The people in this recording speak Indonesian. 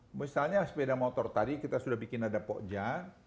misalnya sepeda motor tadi kita sudah bikin ada pokja